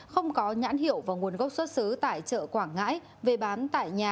không có nhãn hiệu và nguồn gốc xuất xứ tại chợ quảng ngãi